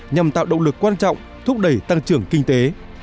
nhằm tạo động lực quan trọng thúc đẩy tăng trưởng kinh tế